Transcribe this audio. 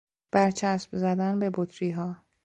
برچسب زدن به بطریها